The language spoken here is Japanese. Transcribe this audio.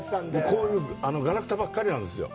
こういうがらくたばかりなんですよ。